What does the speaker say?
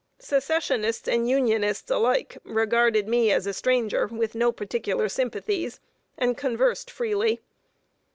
Secessionists and Unionists alike, regarding me as a stranger with no particular sympathies, conversed freely.